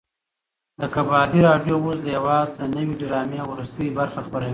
د کبابي راډیو اوس د هېواد د نوې ډرامې وروستۍ برخه خپروي.